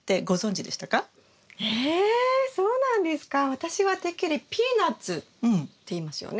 私はてっきりピーナツっていいますよね。